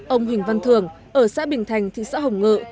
ông huỳnh văn thường ở xã bình thành thị xã hồng ngự